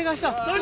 何？